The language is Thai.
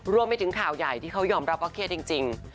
รวมไปถึงข่าวใหญ่ที่เขายอมรับว่าเครียดจริง